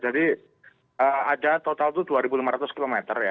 jadi ada total itu dua lima ratus km ya